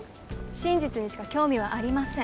真実にしか興味はありません。